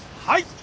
はい！